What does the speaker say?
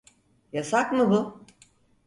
Yasak mı bu?